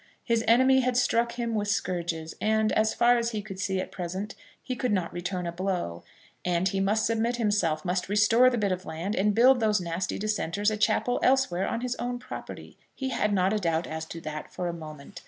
His enemy had struck him with scourges, and, as far as he could see at present, he could not return a blow. And he must submit himself, must restore the bit of land, and build those nasty dissenters a chapel elsewhere on his own property. He had not a doubt as to that for a moment.